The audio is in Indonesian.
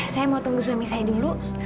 saya mau tunggu suami saya dulu